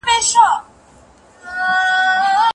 خپل ذهني روغتیا ته پام وکړه.